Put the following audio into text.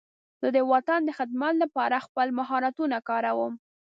زه د وطن د خدمت لپاره خپل مهارتونه کاروم.